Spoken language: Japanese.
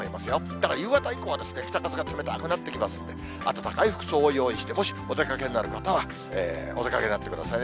ただ、夕方以降は北風が冷たくなってきますので、暖かい服装を用意して、もしお出かけになる方は、お出かけになってくださいね。